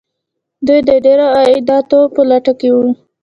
دوی د ډیرو عایداتو په لټه کې وو.